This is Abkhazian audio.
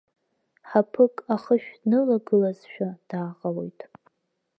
Ҳаԥык ахышә днылагылазшәа дааҟалоит.